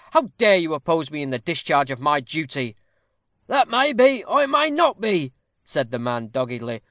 "How dare you oppose me in the discharge of my duty?" "That may be, or it may not be," said the man, doggedly.